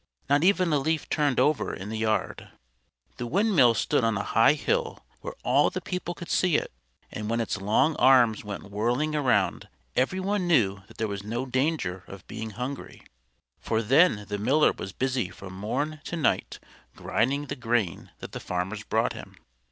Not even a leaf turned over in the yard. The windmill stood on a high hill where all the people could see it, and when its long arms went whirling around every one knew that there was no danger of being hungry, for then the Miller was busy from morn to night grinding the grain that the farmers brought him.